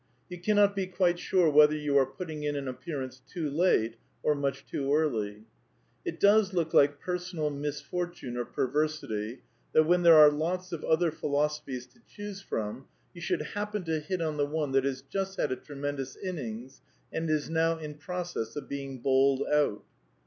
You cannot be quite sure whether you are putting in an appearance too late or much too early. It does look like personal misfortune or perversity that, when there are lots of other philosophies to choose from, you should happen to hit on the one that has just had a tremendous innings and is now in process of being bowled out.